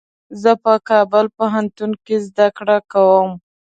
زه په کابل پوهنتون کي زده کړه کوم.